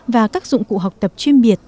và các dụng cụ học tập chuyên biệt